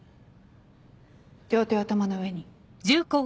両手を頭の上に。